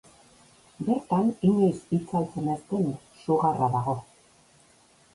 Bertan inoiz itzaltzen ez den su garra dago.